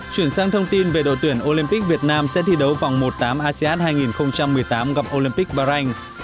chuyển sang thông tin về đội tuyển olympic việt nam sẽ thi đấu vòng một tám asean hai nghìn một mươi tám gặp olympic bahrain